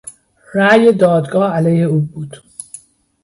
رای دادگاه علیه او بود.